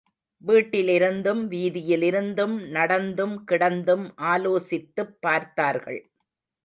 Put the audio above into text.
வீட்டிலிருந்தும், வீதியிலிருந்தும் நடந்தும், கிடந்தும் ஆலோசித்துப் பார்த்தார்கள்.